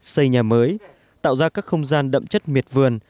xây nhà mới tạo ra các không gian đậm chất miệt vườn